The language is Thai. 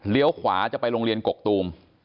ขวาจะไปโรงเรียนกกตูม